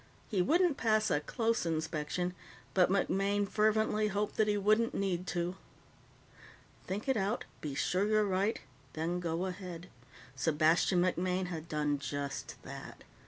He wouldn't pass a close inspection, but MacMaine fervently hoped that he wouldn't need to. Think it out, be sure you're right, then go ahead. Sebastian MacMaine had done just that.